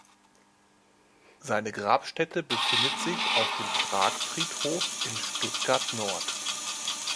Seine Grabstätte befindet sich auf dem Pragfriedhof in Stuttgart-Nord.